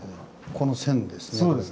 この線ですね。